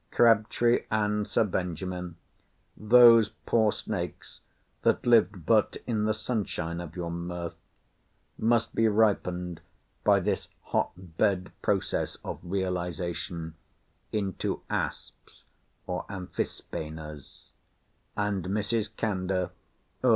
Crabtree, and Sir Benjamin—those poor snakes that live but in the sunshine of your mirth—must be rippened by this hot bed process of realization into asps or amphisbænas; and Mrs. Candour—O!